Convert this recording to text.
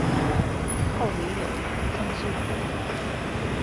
后屡有增修。